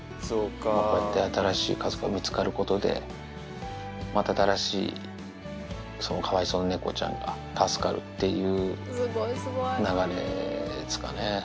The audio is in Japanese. こうやって新しい家族が見つかることで、また新しいかわいそうな猫ちゃんが助かるっていう流れですかね。